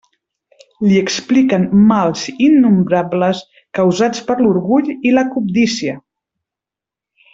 Li expliquen mals innombrables causats per l'orgull i la cobdícia.